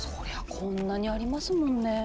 こんなにありますもんねぇ。